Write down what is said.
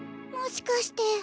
もしかして。